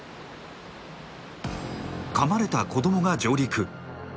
かまれた子どもが上陸。